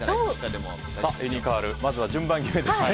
ユニカールまずは順番決めですね。